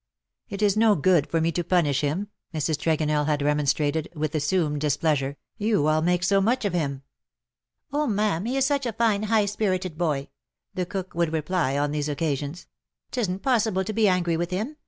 '' It is no good for me to punish him/^ Mrs. Tregonell had remonstrated, with assumed dis pleasure ;" you all make so much of him.'' '" Oh, ma'am, he is such a fine, high spirited boy,''"' the cook would reply on these occasions ;^^ ^tesn 't possible to be angry wdth him.